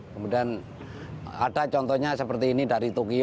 kemudian ada contohnya seperti ini dari tokyo